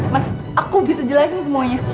mas aku bisa jelasin semuanya